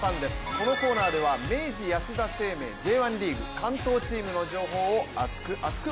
このコーナーでは明治安田生命Ｊ１リーグ関東チームの情報を熱く！